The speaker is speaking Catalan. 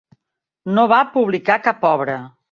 No va publicar cap obra.